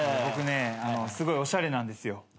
僕ねすごいおしゃれなんですよ。